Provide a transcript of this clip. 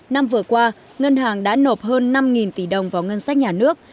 năm vừa qua ngân hàng đã nộp hơn năm tỷ đồng vào ngân sách nhà nước